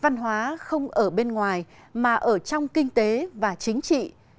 văn hóa không ở bên ngoài mà ở trong kinh tế và chính trị